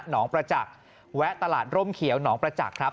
หนองประจักษ์แวะตลาดร่มเขียวหนองประจักษ์ครับ